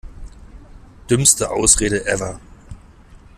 Dümmste Ausrede ever!